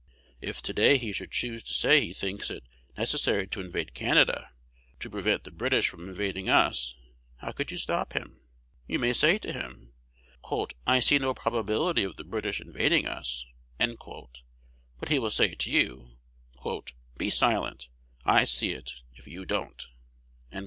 If to day he should choose to say he thinks it necessary to invade Canada, to prevent the British from invading us, how could you stop him? You may say to him, "I see no probability of the British invading us;" but he will say to you, "Be silent: I see it, if you don't."